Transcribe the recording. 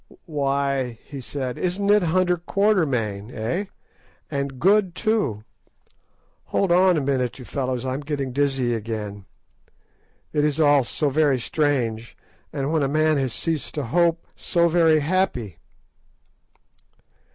"Why," he said, "isn't it Hunter Quatermain, eh, and Good too? Hold on a minute, you fellows, I am getting dizzy again. It is all so very strange, and, when a man has ceased to hope, so very happy!"